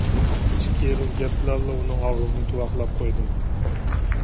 ئىككى ئېغىز گەپ بىلەنلا ئۇنىڭ ئاغزىنى تۇۋاقلاپ قويدۇم.